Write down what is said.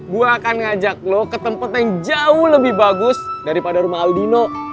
gue akan ngajak lo ke tempat yang jauh lebih bagus daripada rumah aldino